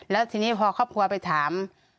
แล้วทีนี้พอครอบครัวไปถาม